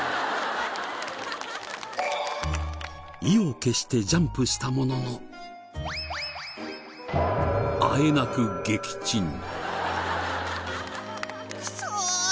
意を決してジャンプしたもののあえなく撃沈。